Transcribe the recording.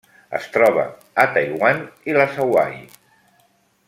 Es troba a Taiwan i les Hawaii.